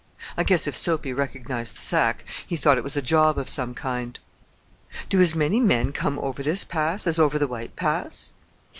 I guess if Soapy recognized the sack he thought it was a job of some kind." "Do as many men come over this Pass as over the White Pass?"